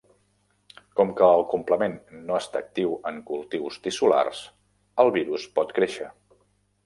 Com que el complement no està actiu en cultius tissulars el virus pot créixer.